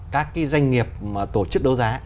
các doanh nghiệp tổ chức đấu giá